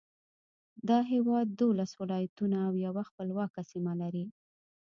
دا هېواد دولس ولایتونه او یوه خپلواکه سیمه لري.